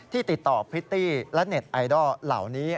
ติดต่อพริตตี้และเน็ตไอดอลเหล่านี้